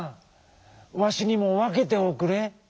わしにもわけておくれ。